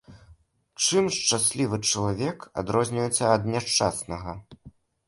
Чым шчаслівы чалавек адрозніваецца ад няшчаснага?